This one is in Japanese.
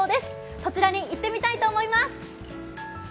そちらに行ってみたいと思います。